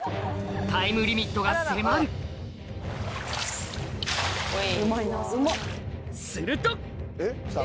タイムリミットが迫るすると！